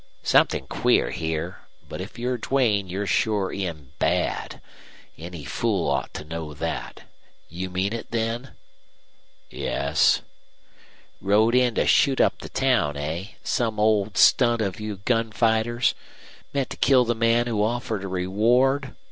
"Somethin' queer here. But if you're Duane you're sure in bad. Any fool ought to know that. You mean it, then?" "Yes." "Rode in to shoot up the town, eh? Same old stunt of you gunfighters? Meant to kill the man who offered a reward?